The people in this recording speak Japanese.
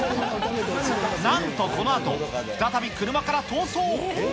なんとこのあと、再び車から逃走。